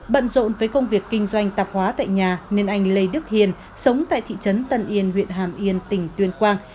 bận rộn với công việc kinh doanh tạp hóa tại nhà nên anh lê đức hiền sống tại thị trấn tân yên huyện hàm yên tỉnh tuyên quang